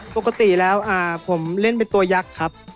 ปกติแล้วผมเล่นเป็นตัวยักษ์ครับ